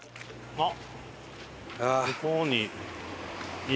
あっ！